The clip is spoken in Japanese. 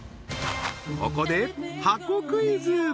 ここで箱クイズ！